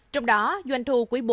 trong đó doanh thu quý bốn